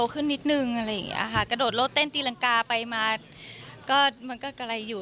กระโดดรถเต้นตีลังกาไปมาก็มันก็กระไรอยู่